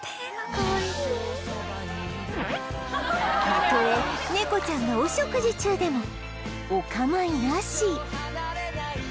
たとえネコちゃんがお食事中でもお構いなし